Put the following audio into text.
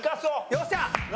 よっしゃ！